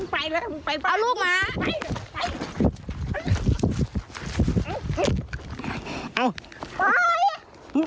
ไปแล้วไปไปเอาลูกมาไป